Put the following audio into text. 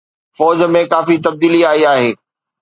فوج ۾ ڪافي تبديلي آئي آهي